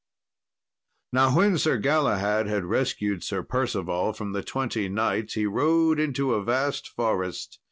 Now when Sir Galahad had rescued Sir Percival from the twenty knights he rode into a vast forest.